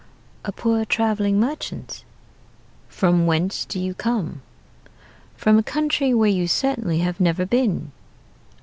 "'A poor traveling merchant.' "'From whence do you come?' "'From a country where you certainly have never been.'